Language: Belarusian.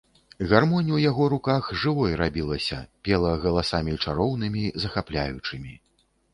Гармонь у яго руках жывой рабілася, пела галасамі чароўнымі, захапляючымі.